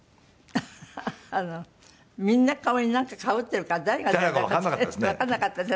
ハハあのみんな顔になんかかぶってるから誰が誰だかわかんなかったですけど。